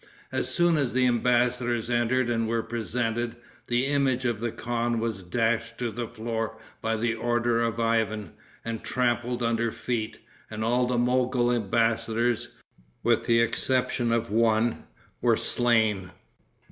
As soon as the embassadors entered and were presented, the image of the khan was dashed to the floor by the order of Ivan, and trampled under feet; and all the Mogol embassadors, with the exception of one, were slain.